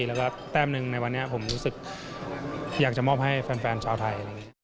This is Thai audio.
แล้วก็แต้มหนึ่งในวันนี้ผมรู้สึกอยากจะมอบให้แฟนชาวไทย